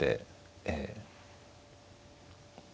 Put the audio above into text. ええ。